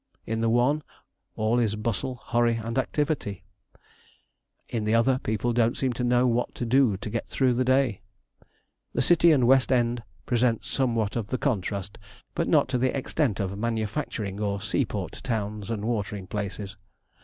In the one, all is bustle, hurry, and activity; in the other, people don't seem to know what to do to get through the day. The city and west end present somewhat of the contrast, but not to the extent of manufacturing or sea port towns and watering places.